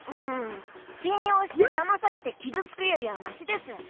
しんようしてだまされてきずつくよりはましです。